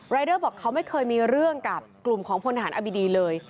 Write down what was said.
เดอร์บอกเขาไม่เคยมีเรื่องกับกลุ่มของพลทหารอบิดีเลย